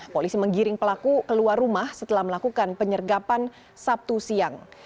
polisi menggiring pelaku keluar rumah setelah melakukan penyergapan sabtu siang